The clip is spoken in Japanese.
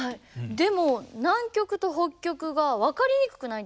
でも南極と北極が分かりにくくないですか？